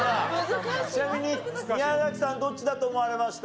ちなみに宮崎さんどっちだと思われました？